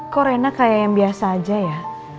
kok rena kayak yang biasa aja ya